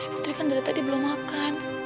putri kan dari tadi belum makan